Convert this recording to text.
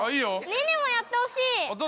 音寧もやってほしい。